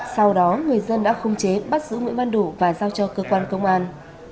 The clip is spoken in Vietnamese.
sau đó người dân đã không chế bắt giữ nguyễn văn đủ và giao cho cơ quan công an